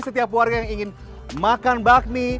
setiap warga yang ingin makan bakmi